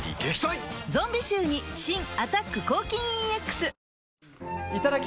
ゾンビ臭に新「アタック抗菌ＥＸ」いただき！